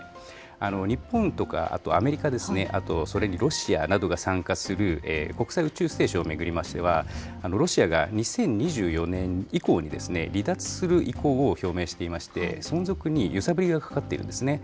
日本とか、あとアメリカですね、あとそれにロシアなどが参加する国際宇宙ステーションを巡りましては、ロシアが２０２４年以降に離脱する意向を表明していまして、存続に揺さぶりがかかっているんですね。